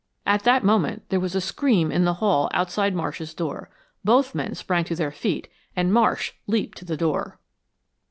At that moment there was a scream in the hall outside Marsh's door. Both men sprang to their feet and Marsh leaped to the door.